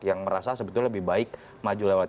yang merasa sebetulnya lebih baik maju lewat